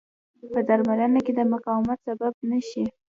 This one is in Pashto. په درملنه کې د مقاومت سبب نه شي.